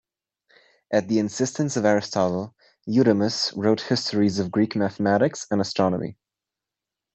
At the insistence of Aristotle, Eudemus wrote histories of Greek mathematics and astronomy.